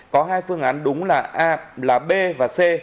có hai phương án đúng là a là b và c